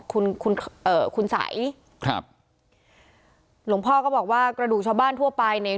คุณคุณเอ่อคุณสัยครับหลวงพ่อก็บอกว่ากระดูกชาวบ้านทั่วไปเนี่ย